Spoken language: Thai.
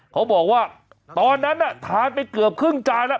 เขาบอกว่าตอนนั้นทานไปเกือบครึ่งจานแล้ว